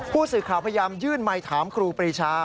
ผู้สื่อข่าวพยายามยื่นไมค์ถามครูปรีชา